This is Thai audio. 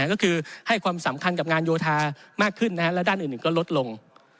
ก็คือให้ความสำคัญกับงานโยธามากขึ้นและด้านอื่นก็ลดลง